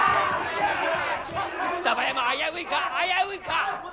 双葉山危ういか危ういか。